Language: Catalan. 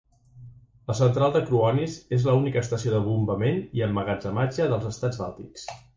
La Central de Kruonis és la única estació de bombament i emmagatzematge dels estats bàltics.